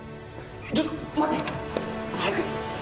ちょっと待ってハルくん